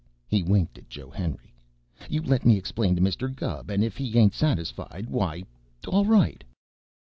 He winked at Joe Henry. "You let me explain to Mr. Gubb, an' if he ain't satisfied, why all right."